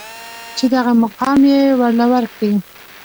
چې دغه مقام يې ورله ورکړې.